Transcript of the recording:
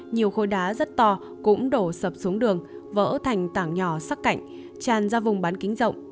nhiều khối đá rất to cũng đổ sập xuống đường vỡ thành tảng nhỏ sắc cạnh tràn ra vùng bán kính rộng